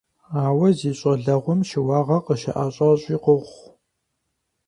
Ауэ зи щӀалэгъуэм щыуагъэ къыщыӀэщӀэщӀи къохъу.